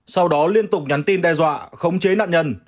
sau đó liên tục nhắn tin đe dọa khống chế nạn nhân